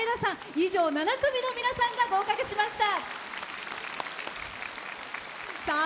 以上、７組の皆さんが合格しました。